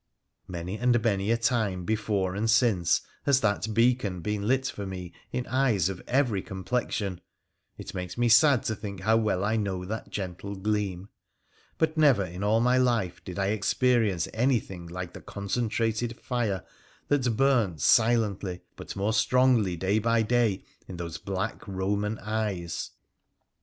Many and many a time before and since has that beacon been lit for me in eyes of every complexion — it makes me sad to think how well I know that gentle gleam — but never in all my life did I experience anything like the con centrated fire that burnt silently but more strongly day bv day in those black Eoman eyes